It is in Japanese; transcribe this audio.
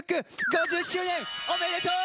５０周年おめでとう！